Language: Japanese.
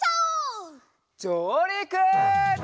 じょうりく！